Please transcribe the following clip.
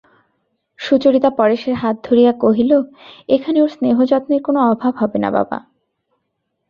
সুচরিতা পরেশের হাত ধরিয়া কহিল, এখানে ওর স্নেহযত্নের কোনো অভাব হবে না বাবা!